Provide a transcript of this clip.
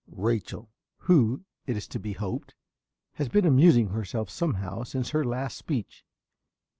~Rachel~ (who, it is to be hoped, has been amusing herself somehow since her last speech).